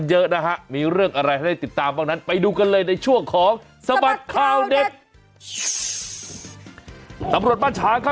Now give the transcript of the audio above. ใช่แล้วค่ะข